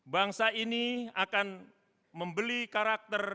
bangsa ini akan membeli karakter